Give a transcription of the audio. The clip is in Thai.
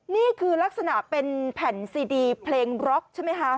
นี่คือลักษณะเป็นแผ่นซีดีเพลงบล็อกใช่ไหมคะ